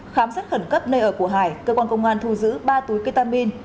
khám xét khẩn cấp nơi ở của hải công an thu giữ ba túi ketamine